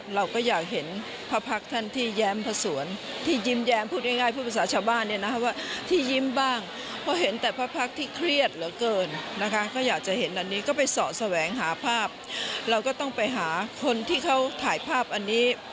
เราก็ต้องไปหาคนที่เขาถ่ายภาพอันนี้